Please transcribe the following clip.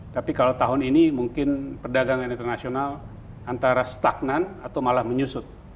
tapi kalau tahun ini mungkin perdagangan internasional antara stagnan atau malah menyusut